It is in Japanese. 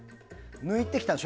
抜いてきたの。